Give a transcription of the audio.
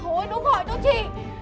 ôi đúng rồi cho chị